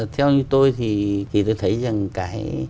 theo tôi thì tôi thấy rằng cái